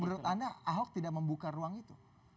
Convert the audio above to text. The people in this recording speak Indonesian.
menurut anda ahok tidak membuka ruang itu